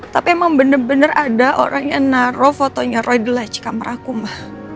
tapi emang bener bener ada orang yang naro fotonya roy di laji kameraku ma